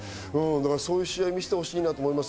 そういう試合を見せてほしいと思います。